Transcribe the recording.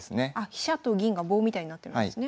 飛車と銀が棒みたいになってるんですね。